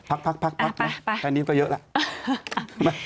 พักนะตอนนี้ก็เยอะแล้ว